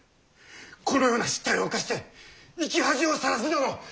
このような失態を犯して生き恥をさらすなど！